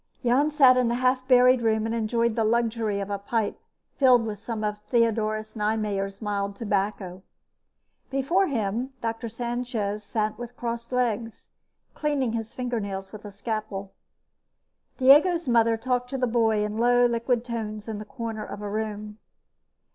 Jan sat in the half buried room and enjoyed the luxury of a pipe filled with some of Theodorus Neimeijer's mild tobacco. Before him, Dr. Sanchez sat with crossed legs, cleaning his fingernails with a scalpel. Diego's mother talked to the boy in low, liquid tones in a corner of the room.